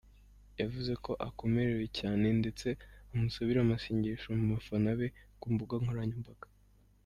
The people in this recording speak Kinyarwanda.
Yavuze ko akomerewe cyane ndetse amusabira amasengesho mu bafana be ku mbuga nkoranyambaga.